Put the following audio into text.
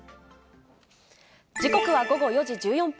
時刻は午後４時１４分。